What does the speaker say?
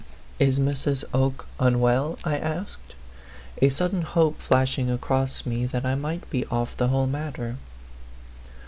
" Is Mrs. Oke unwell ?" I asked, a sudden hope flashing across me that I might be off the whole matter.